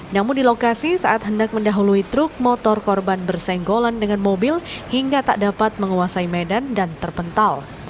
namun di lokasi saat hendak mendahului truk motor korban bersenggolan dengan mobil hingga tak dapat menguasai medan dan terpental